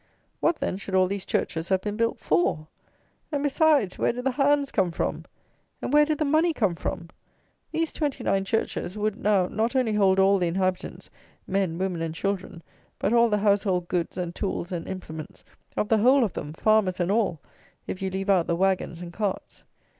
What, then, should all these churches have been built for? And besides, where did the hands come from? And where did the money come from? These twenty nine churches would now not only hold all the inhabitants, men, women, and children, but all the household goods, and tools, and implements, of the whole of them, farmers and all, if you leave out the wagons and carts.